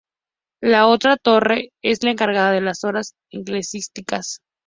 La otra torre es la encargada de las horas eclesiásticas.